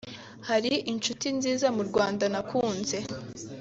hari inshuti nziza mu Rwanda nakunze